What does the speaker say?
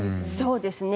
そうですね